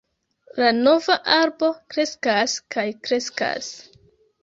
La nova arbo kreskas kaj kreskas.